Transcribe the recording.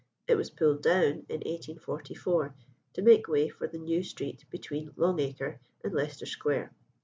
It was pulled down in 1844 to make way for the new street between Long Acre and Leicester Square.